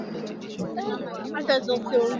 kutokana na upinzani kukosa nguvu